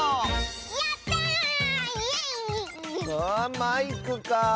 あマイクかあ。